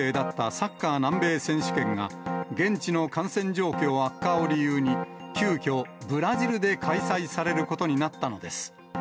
サッカー南米選手権が、現地の感染状況悪化を理由に、急きょ、ブラジルで開催されることになったのです。